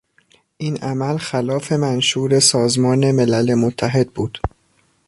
این عمل خلاف منشور سازمان ملل متحد بود.